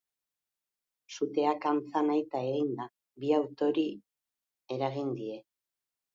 Suteak, antza nahita eginda, bi autori eragin die.